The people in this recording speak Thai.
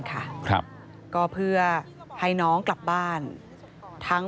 พบหน้าลูกแบบเป็นร่างไร้วิญญาณ